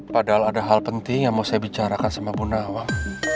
padahal ada hal penting yang mau saya bicarakan sama gunawan